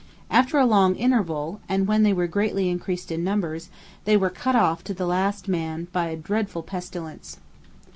After a long interval, and when they were greatly increased in numbers, they were cut off to the last man, by a dreadful pestilence.